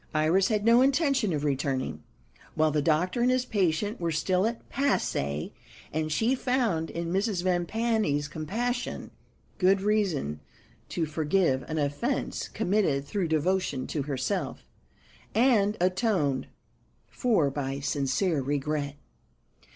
Iris had no intention of returning, while the doctor and his patient were still at Passy; and she found in Mrs. Vimpany's compassion good reason to forgive an offence committed through devotion to herself, and atoned for by sincere regret.